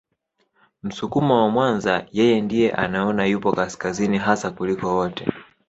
Msukuma wa Mwanza yeye ndiye anaona yupo kaskazini hasa kuliko wote